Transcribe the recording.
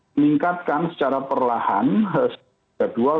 meningkatkan secara perlahan gradual